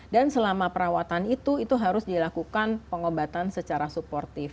dan selama perawatan itu itu harus dilakukan pengobatan secara suportif